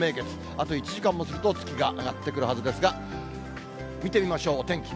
あと１時間もすると月が上がってくるはずですが、見てみましょう、お天気。